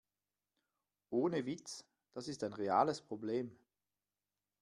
Ohne Witz, das ist ein reales Problem.